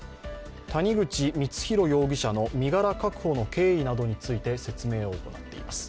谷口光弘容疑者の身柄確保の経緯などについて説明を行っています。